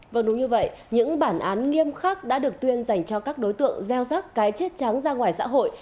vâng đúng như vậy những bản án nghiêm khắc đã được tuyên dành cho các đối tượng gieo rắc cái chết trắng ra ngoài xã hội